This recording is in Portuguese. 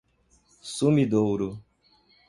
Sumidouro